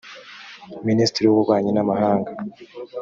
minisitiri w’ububanyi n’amahanga